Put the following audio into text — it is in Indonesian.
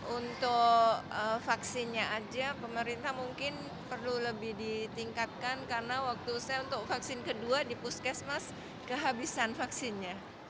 untuk vaksinnya aja pemerintah mungkin perlu lebih ditingkatkan karena waktu saya untuk vaksin kedua di puskesmas kehabisan vaksinnya